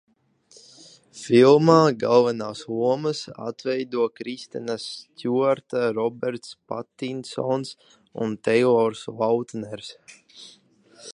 Filmā galvenās lomas atveido Kristena Stjuarta, Roberts Patinsons un Teilors Lautners.